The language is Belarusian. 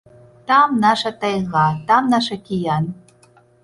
Там наша тайга, там наш акіян.